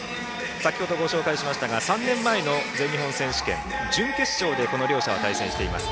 先ほどご紹介しましたが３年前の全日本選手権準決勝でこの両者は対戦しています。